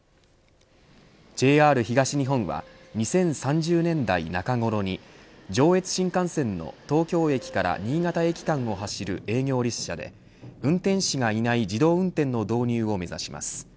ＪＲ東日本は２０３０年代中頃に上越新幹線の東京駅から新潟駅間を走る営業列車で運転士がいない自動運転の導入を目指します。